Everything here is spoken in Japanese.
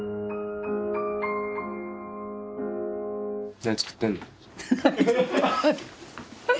何作ってんの？